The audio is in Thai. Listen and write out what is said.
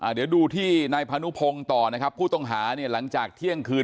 เดี๋ยวดูที่นายพานุพงศ์ต่อนะครับผู้ต้องหาเนี่ยหลังจากเที่ยงคืน